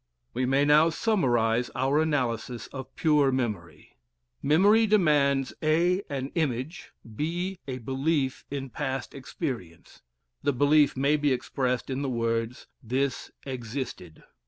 We may now summarize our analysis of pure memory. Memory demands (a) an image, (b) a belief in past existence. The belief may be expressed in the words "this existed."